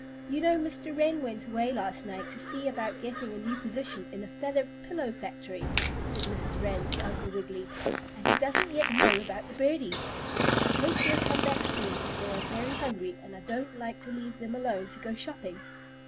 You know Mr. Wren went away last night to see about getting a new position in a feather pillow factory," said Mrs. Wren to Uncle Wiggily, "and he doesn't yet know about the birdies. I hope he'll come back soon, as they are very hungry, and I don't like to leave them alone to go shopping."